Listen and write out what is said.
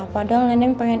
padahal neneng pengen ikut